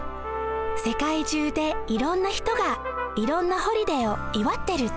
世界中でいろんな人がいろんなホリデーをいわってるって。